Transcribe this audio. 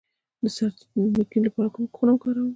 د سر درد د میګرین لپاره کومه خونه وکاروم؟